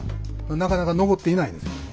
なかなか残っていないんですよ。